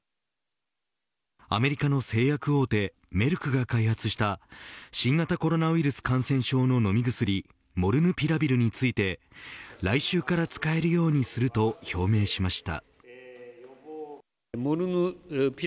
アメリカの製薬大手メルクが開発した新型コロナウイルス感染症の飲み薬モルヌピラビルについて来週から使えるようにすると表明しました。